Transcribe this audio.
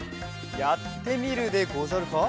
やってみるでござるか？